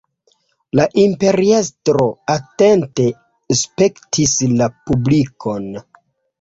La imperiestro atente spektis la publikon.